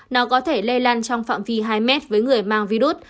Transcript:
nó có thể lây lan trong phạm vi hai mét với người mang virus